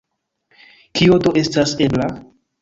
Kio do estas ebla?